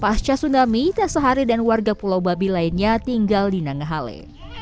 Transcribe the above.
pasca tsunami tak sehari dan warga pulau babi lainnya tinggal di nangahale